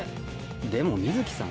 でも観月さん